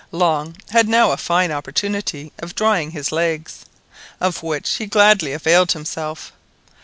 Long had now a fine opportunity of drying his legs, of which he gladly availed himself.